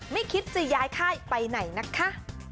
ไม่คิดจะย้ายค่ายไปไหนนะคะ